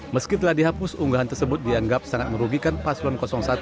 meski telah dihapus unggahan tersebut dianggap sangat merugikan paslon satu